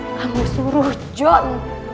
kamu suruh john